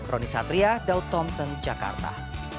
roni satria daud thompson jakarta